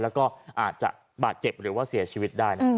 แล้วก็อาจจะบาดเจ็บหรือว่าเสียชีวิตได้นะ